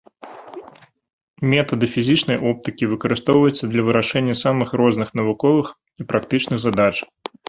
Метады фізічнай оптыкі выкарыстоўваюцца для вырашэння самых розных навуковых і практычных задач.